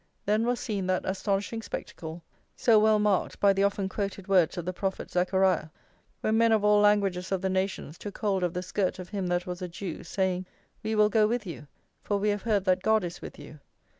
Then was seen that astonishing spectacle, so well marked by the often quoted words of the prophet Zechariah, when men of all languages of the nations took hold of the skirt of him that was a Jew, saying: "We will go with you, for we have heard that God is with you."